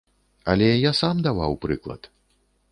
Але я сам даваў прыклад.